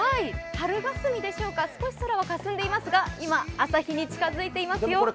春がすみでしょうか、少し空はかすんでいますが今、朝日に近づいていますよ。